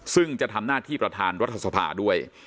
ซึ่งจะทำหน้าที่ประธานรัฐสภาด้วย